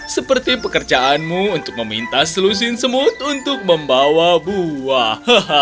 seperti pekerjaanmu untuk meminta selusin semut untuk membawa buah